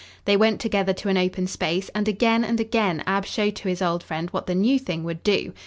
They went together to an open space, and again and again Ab showed to his old friend what the new thing would do.